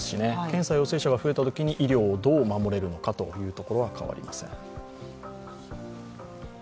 検査陽性者が増えたときに、医療をどう守れるかは変わりありません。